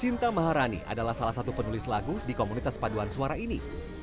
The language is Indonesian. sinta maharani adalah salah satu penulis lagu di komunitas paduan suara ini